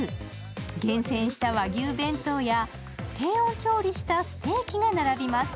厳選した和牛弁当や低温調理したステーキが並びます。